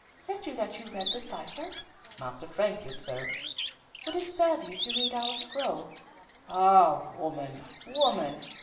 "Said you that you read the cipher?" "Master Frank did so." "Would it serve you to read our scroll?" "Ah, woman! woman!